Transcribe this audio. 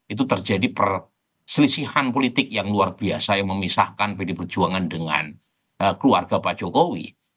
itu terjadi perselisihan politik yang luar biasa yang memisahkan pd perjuangan dengan keluarga pak jokowi